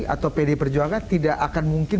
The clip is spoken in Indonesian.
atau pd perjuangan tidak akan mungkin